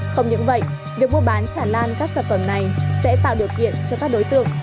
không những vậy việc mua bán tràn lan các sản phẩm này sẽ tạo điều kiện cho các đối tượng